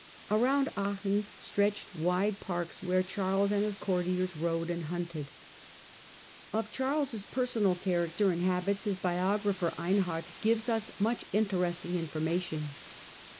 Around Aachen stretched wide parks, where Charles and his courtiers rode and hunted. Of Charles' personal character and habits his bio Personal grapher Einhard gives us much interesting information.